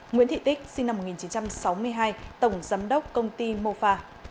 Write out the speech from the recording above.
nguyễn thị tích sinh năm một nghìn chín trăm sáu mươi hai tổng giám đốc công ty mô pha